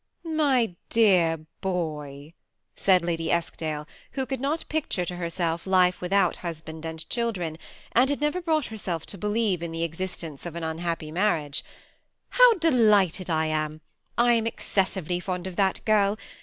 " My dear boy," said Lady Eskdale, who could not picture to herself life without husband and children, and had never brought herself to believe in the exist ence of an unhappy marriage, '^ how delighted I am I I am excessively fond of that girl.